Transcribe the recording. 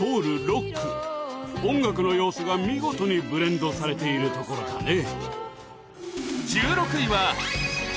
音楽の要素が見事にブレンドされているところだね。